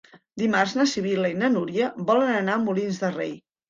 Dimarts na Sibil·la i na Núria volen anar a Molins de Rei.